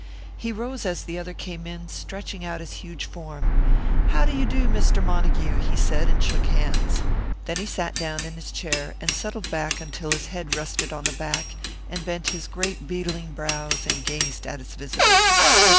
He rose as the other came in, stretching out his huge form. "How do you do, Mr. Montague?" he said, and shook hands. Then he sat down in his chair, and settled back until his head rested on the back, and bent his great beetling brows, and gazed at his visitor.